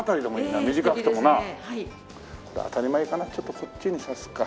当たり前かなちょっとこっちに挿すか。